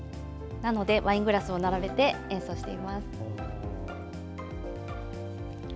なので、ワイングラスを並べて演奏していきます。